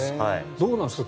どうなんですか。